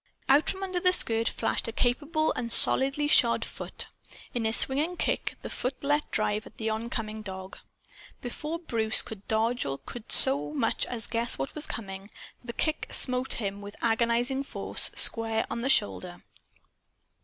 Out from under the white skirt flashed a capable and solidly shod foot. In a swinging kick, the foot let drive at the oncoming dog. Before Bruce could dodge or could so much as guess what was coming, the kick smote him with agonizing force, square on the shoulder.